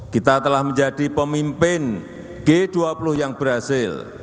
kita telah menjadi pemimpin g dua puluh yang berhasil